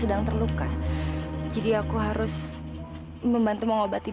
setelah aku mengoloknya ke kalau sejujurnya kolam catherine berbunduk w